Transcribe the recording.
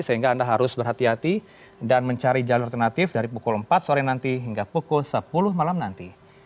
sehingga anda harus berhati hati dan mencari jalur alternatif dari pukul empat sore nanti hingga pukul sepuluh malam nanti